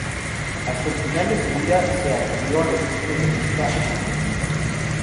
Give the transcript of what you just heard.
Hasta el final de su vida, se adhirió a los puntos de vista anticomunistas.